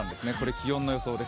気温の予想です。